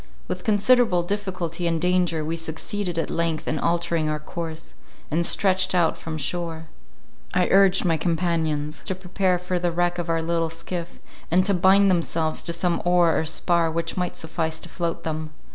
With considerable difficulty and danger we succeeded at length in altering our course, and stretched out from shore. I urged my companions to prepare for the wreck of our little skiff, and to bind themselves to some oar or spar which might suffice to float them.